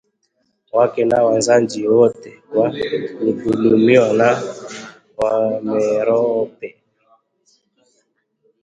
wake na Wazanji wote kwa kudhulumiwa na Wamerope